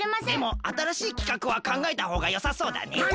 でも新しい企画はかんがえたほうがよさそうだね。